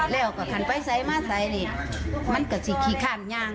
เร็วกับขันไปใส้มาใส่นี่มันก็จะขีดข้างย่าง